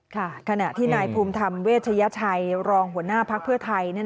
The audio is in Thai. ขณะที่นายภูมิธรรมเวชยชัยรองหัวหน้าพักเพื่อไทย